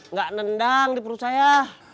nggak nendang di perut saya